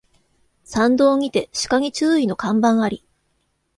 山道にて鹿に注意の看板あり